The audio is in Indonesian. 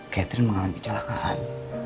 catherine mengalami kecelakaan